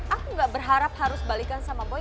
aku gak berharap harus balikan sama boy